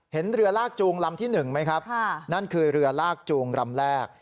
เห็นเรือลากจูงลำที่๑ไหมครับนั่นคือเรือลากจูงลำแรก